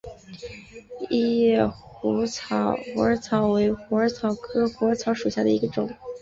异叶虎耳草为虎耳草科虎耳草属下的一个种。